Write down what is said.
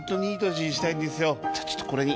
じゃあちょっとこれに。